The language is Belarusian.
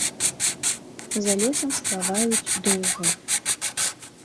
За лесам спяваюць доўга.